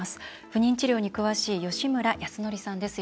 不妊治療に詳しい吉村泰典さんです。